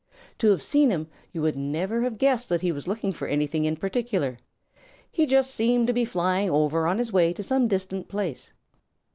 To have seen him, you would never have guessed that he was looking for anything in particular. He seemed to be just flying over on his way to some distant place.